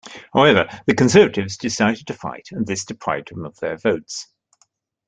However, the Conservatives decided to fight and this deprived him of their votes.